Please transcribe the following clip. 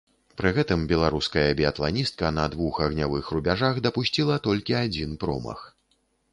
Пры гэтым беларуская біятланістка на двух агнявых рубяжах дапусціла толькі адзін промах.